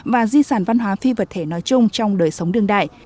và di sản văn hóa phi vật thể nói chung trong đời sống đương đại